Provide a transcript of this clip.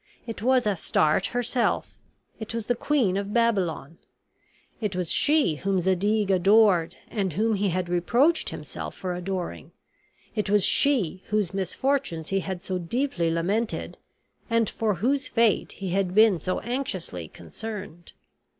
It was Astarte herself; it was the Queen of Babylon; it was she whom Zadig adored, and whom he had reproached himself for adoring; it was she whose misfortunes he had so deeply lamented, and for whose fate he had been so anxiously concerned.